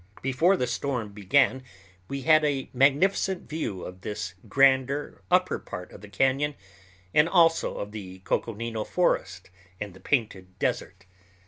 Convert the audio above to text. Before the storm began we had a magnificent view of this grander upper part of the cañon and also of the Coconino Forest and the Painted Desert.